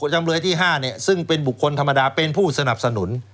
จำเลยที่๕ซึ่งเป็นบุคคลธรรมดาเป็นผู้สนับสนุน